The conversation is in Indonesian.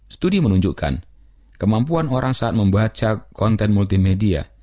studi menunjukkan kemampuan orang saat membaca konten multimedia